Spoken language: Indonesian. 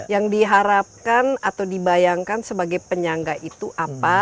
yang diharapkan atau dibayangkan sebagai penyangga itu apa